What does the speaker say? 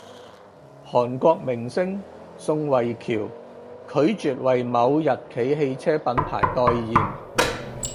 韓國明星宋慧喬拒絕爲某日企汽車品牌代言